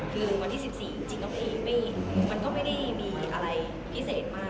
คือวันที่๑๔จริงโอเคมันก็ไม่ได้มีอะไรพิเศษมาก